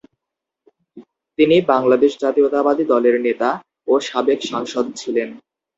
তিনি বাংলাদেশ জাতীয়তাবাদী দলের নেতা ও সাবেক সাংসদ ছিলেন।